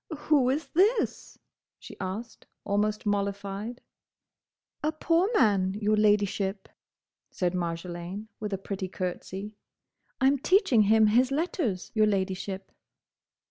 "Who is this?" she asked, almost mollified. "A poor man, your Ladyship," said Marjolaine, with a pretty curtsey. "I'm teaching him his letters, your Ladyship."